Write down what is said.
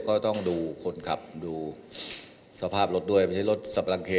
ก็ต้องดูคนขับดูสภาพรถด้วยไม่ใช่รถสับปลังเค